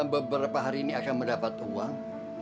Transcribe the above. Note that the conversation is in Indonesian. beberapa hari ini akan mendapat uang